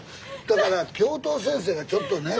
だから教頭先生がちょっとね。